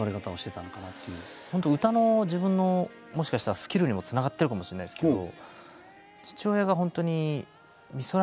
本当歌の自分のもしかしたらスキルにもつながってるかもしれないですけど。